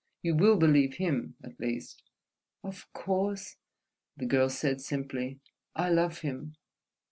You will believe him, at least." "Of course," the girl said, simply. "I love him.